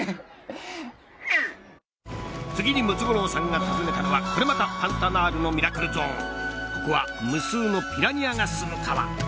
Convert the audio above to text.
次にムツゴロウさんが訪ねたのはこれまたパンタナールのミラクルゾーン無数のピラニアがすむ川。